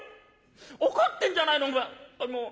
「怒ってんじゃないのもう。